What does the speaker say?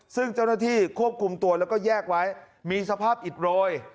ซึ่งเจ้าหน้าที่ควบคุมตัวแล้วก็แยกไว้มีสภาพอิดโรย